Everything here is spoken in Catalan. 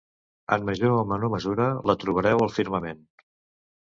En major o menor mesura, la trobareu al firmament.